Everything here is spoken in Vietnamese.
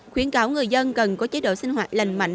khuyến cáo người dân cần có chế độ sinh hoạt lành mạnh